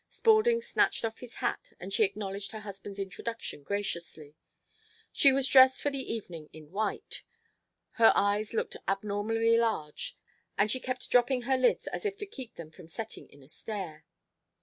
Spaulding snatched off his hat and she acknowledged her husband's introduction graciously. She was dressed for the evening in white. Her eyes looked abnormally large, and she kept dropping her lids as if to keep them from setting in a stare.